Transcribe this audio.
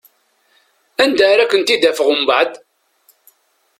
Anda ara ken-id-afeɣ umbeɛd?